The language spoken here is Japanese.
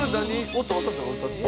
お父さんとかが歌ってた？